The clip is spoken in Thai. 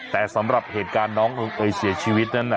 แต่สำหรับเหตุการณ์น้องเอ๋ยเสียชีวิตนั้น